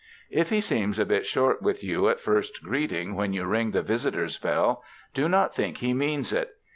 If he seems a bit short with you at first greeting when you ring the visitor's bell, do not think he means it.